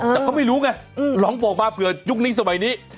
แต่ก็ไม่รู้ไงลองบอกมาเผื่อยุคนี้สมัยนี้